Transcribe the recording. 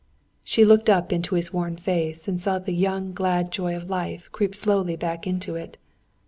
She looked up into his worn face, and saw the young glad joy of life creep slowly back into it.